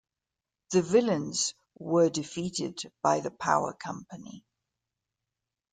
The villains were defeated by the Power Company.